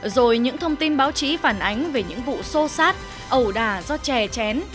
rồi những thông tin báo chí phản ánh về những vụ xô xát ẩu đà do chè chén